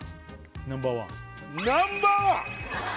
ナンバーワン？